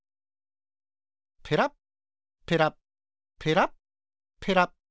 ペラッペラッペラッペラッ。